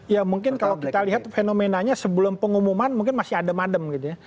ya mungkin kalau kita lihat fenomenanya sebelum pengumuman mungkin masih adem adem gitu ya